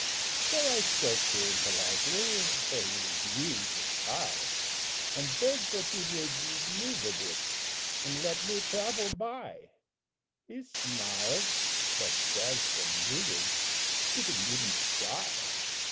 So I spoke to him politely, For he was huge and high, And begged that he would move a bit, And let me travel by He smiled, but as for moving He didn't even try.